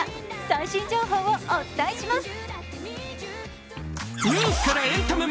最新情報をお伝えします。